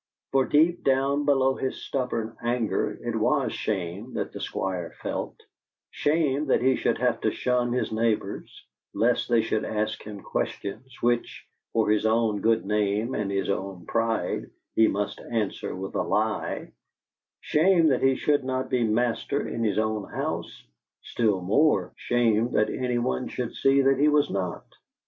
For deep down below his stubborn anger it was shame that the Squire felt shame that he should have to shun his neighbours, lest they should ask him questions which, for his own good name and his own pride, he must answer with a lie; shame that he should not be master in his own house still more, shame that anyone should see that he was not.